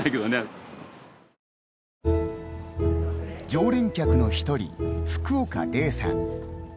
常連客の一人、福岡麗さん。